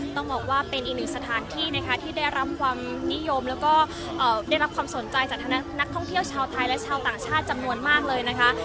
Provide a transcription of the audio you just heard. ต้องบอกว่าเป็นอีกหนึ่งสถานที่นะคะที่ได้รับความนิยมแล้วก็ได้รับความสนใจจากนักท่องเที่ยวชาวไทยและชาวต่างชาติจำนวนมากเลยนะคะ